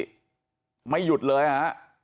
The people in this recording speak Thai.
ใส่แบบใส่ไม่หยุดเลยนะฮะ